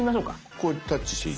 これタッチしていい？